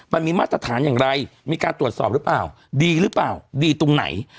มาตรฐานอย่างไรมีการตรวจสอบหรือเปล่าดีหรือเปล่าดีตรงไหน